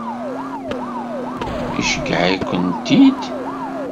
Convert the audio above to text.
Iceyyeε-ikent-id?